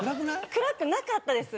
暗くなかったです。